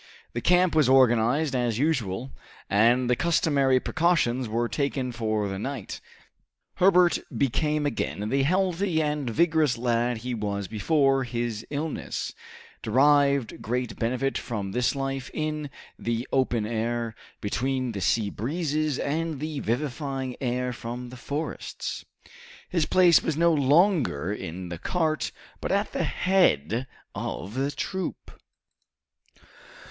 The camp was organized as usual, and the customary precautions were taken for the night. Herbert, become again the healthy and vigorous lad he was before his illness, derived great benefit from this life in the open air, between the sea breezes and the vivifying air from the forests. His place was no longer in the cart, but at the head of the troop.